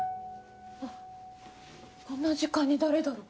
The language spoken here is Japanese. あっこんな時間に誰だろ？